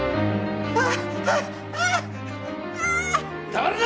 誰だ！？